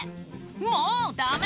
「もう！ダメ！